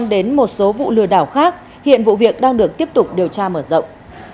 đến một số vụ lừa đảo khác hiện vụ việc đang được tiếp tục điều tra mở rộng